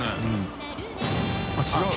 あっ違う！